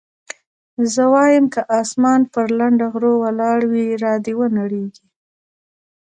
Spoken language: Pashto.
زه وايم که اسمان پر لنډه غرو ولاړ وي را دې ونړېږي.